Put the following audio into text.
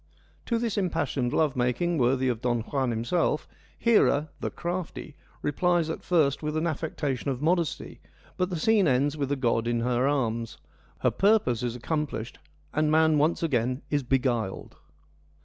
To this impassioned love making, worthy of Don Juan himself, Hera, ' the crafty,' replies at first with an affectation of modesty, but the scene ends with the god in her arms : her purpose is accom plished and man once again is beguiled.